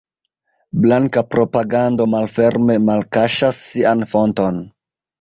Blanka propagando malferme malkaŝas sian fonton.